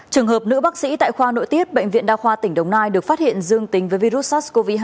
trường hợp nữ bác sĩ tại khoa nội tiết bệnh viện đa khoa tỉnh đồng nai được phát hiện dương tính với virus sars cov hai